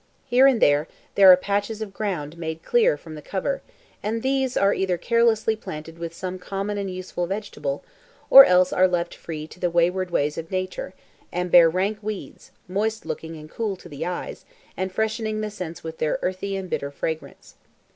Here and there, there are patches of ground made clear from the cover, and these are either carelessly planted with some common and useful vegetable, or else are left free to the wayward ways of Nature, and bear rank weeds, moist looking and cool to the eyes, and freshening the sense with their earthy and bitter fragrance.